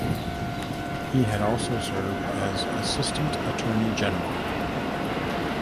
He had also served as Assistant Attorney General.